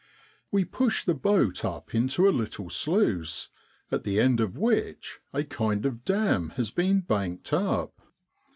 We push the boat up into a little sluice, at the end of which a kind of dam has been banked up.